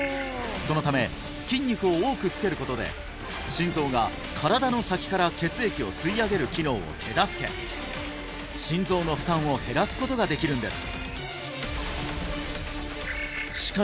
そのため筋肉を多くつけることで心臓が身体の先から血液を吸い上げる機能を手助け心臓の負担を減らすことができるんです